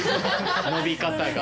伸び方が。